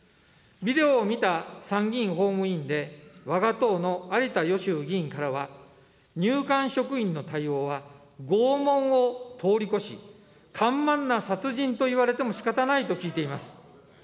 ビデオを見た参議院法務委員でわが党の有田芳生議員からは、入管職員の対応は、拷問を通り越し、緩慢な殺人といわれてもしかたないと聞いています。